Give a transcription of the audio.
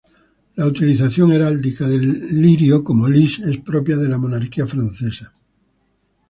La utilización heráldica del lirio como "lis" es propia de la monarquía francesa.